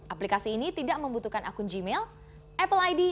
aplikasi ini tidak membutuhkan akun gmail apple id